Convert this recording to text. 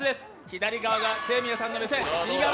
左側が清宮さんに目線。